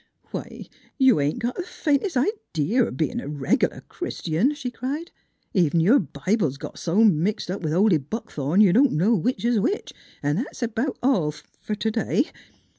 " Why, you ain't got th' faintest idee o' bein' a reg'lar Christian," she cried. " Even your Bible's got s' mixed with holy Buckthorn you don't know which 's which. ... And that's about all fer t' day.